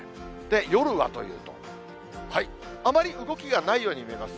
夜はというと、あまり動きがないように見えます。